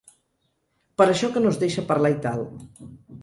Per això que no es deixa parlar i tal.